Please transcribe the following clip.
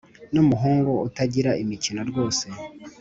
Numuhungu utagira imikino rwose